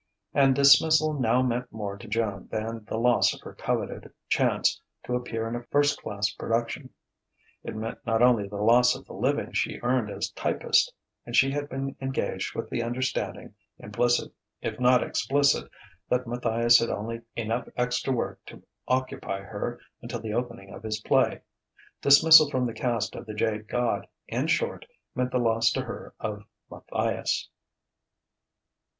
And dismissal now meant more to Joan than the loss of her coveted chance to appear in a first class production; it meant not only the loss of the living she earned as typist and she had been engaged with the understanding, implicit if not explicit, that Matthias had only enough extra work to occupy her until the opening of his play; dismissal from the cast of "The Jade God," in short, meant the loss to her of Matthias.